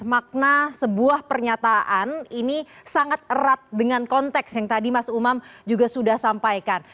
mas umam berbicara dengan konteks makna sebuah pernyataan ini sangat erat dengan konteks yang tadi mas umam juga sudah sampaikan